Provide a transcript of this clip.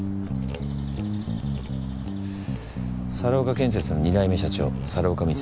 猿岡建設の２代目社長猿岡充。